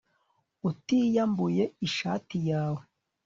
Utiyambuye ishati yawe